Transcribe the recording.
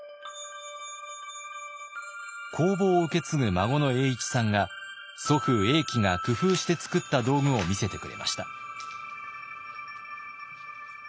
工房を受け継ぐ孫の栄市さんが祖父栄喜が工夫して作った道具を見せてくれました。